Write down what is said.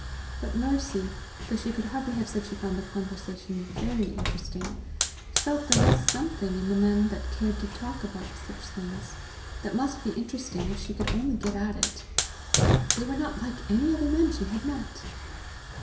But Mercy, though she could hardly have said she found the conversation VERY interesting, felt there was something in the men that cared to talk about such things, that must be interesting if she could only get at it. They were not like any other men she had met!